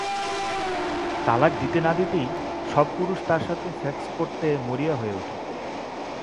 তালাক দিতে না দিতেই, সব পুরুষ তার সাথে সেক্স করতে মরিয়া হয়ে ওঠে।